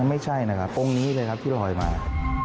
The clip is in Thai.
ไม่ใช่นะครับองค์นี้เลยครับที่ลอยมา